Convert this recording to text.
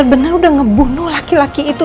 benar udah ngebunuh laki laki itu